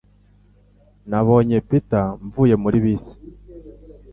Nabonye Peter mvuye muri bisi